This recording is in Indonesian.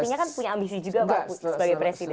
artinya kan punya ambisi juga pak sebagai presiden